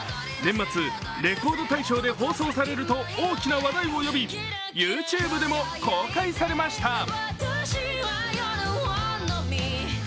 年末、「レコード大賞」で放送されると大きな話題を呼びＹｏｕＴｕｂｅでも公開されました。